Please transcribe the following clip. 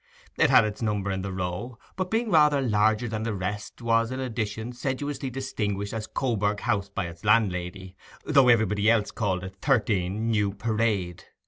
It had its number in the row, but, being rather larger than the rest, was in addition sedulously distinguished as Coburg House by its landlady, though everybody else called it 'Thirteen, New Parade.